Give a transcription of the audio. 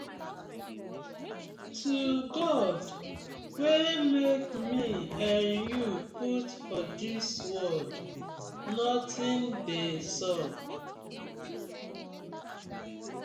To God wey mak mi and you put for dis world, notin dey sup.